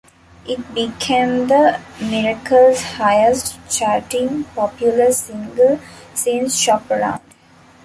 It became the Miracles highest charting popular single since "Shop Around".